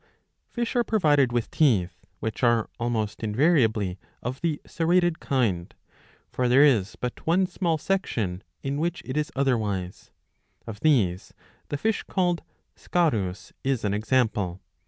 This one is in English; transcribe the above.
^* Fish are provided with tepth, which are almost invariably of the serrated kind. For there is but one small section in which it is otherwise. Of these the fish called Scarus is an example.